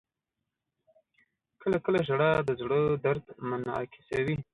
• کله کله ژړا د زړه درد منعکسوي.